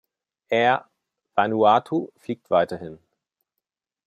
Air Vanuatu fliegt weiterhin.